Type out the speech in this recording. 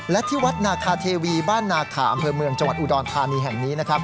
และที่วัดนาคาเทวีบ้านนาขาอำเภอเมืองจังหวัดอุดรธานีแห่งนี้นะครับ